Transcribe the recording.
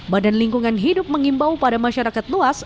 badan lingkungan hidup mengimbau pada masyarakat luas